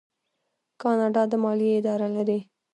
کاناډا د مالیې اداره لري.